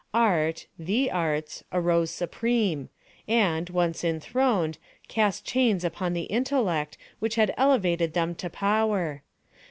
Art—the Arts—arose supreme, and, once enthroned, cast chains upon the intellect which had elevated them to power.